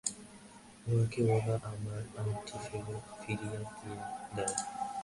উহাকে বলো, আমার আংটি ফিরাইয়া দেয়।